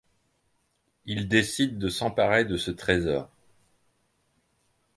Il décide de s'emparer de ce trésor...